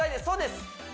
そうです